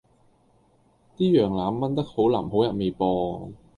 啲羊腩炆得好腍好入味噃